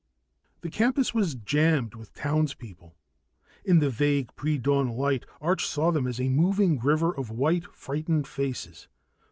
The campus was jammed with townspeople. In the vague pre dawn light, Arch saw them as a moving river of white, frightened faces.